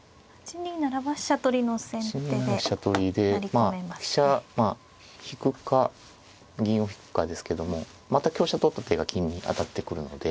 まあ飛車引くか銀を引くかですけどもまた香車取った手が金に当たってくるので。